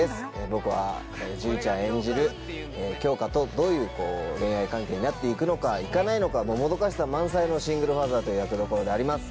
僕は樹里ちゃん演じる杏花とどういう恋愛関係になっていくのかいかないのかもどかしさ満載のシングルファーザーという役どころであります